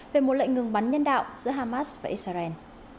về một lệnh ngừng bắn nhân đạo giữa hamas và israel